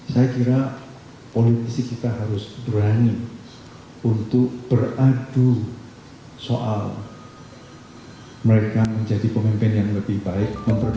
saya kira politisi kita harus berani untuk beradu soal mereka menjadi pemimpin yang lebih baik